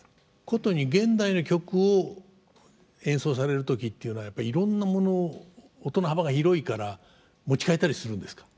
殊に現代の曲を演奏される時っていうのはやっぱりいろんなものを音の幅が広いから持ち替えたりするんですか？